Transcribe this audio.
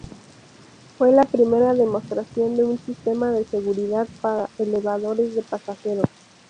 Fue la primera demostración de un sistema de seguridad para elevadores de pasajeros.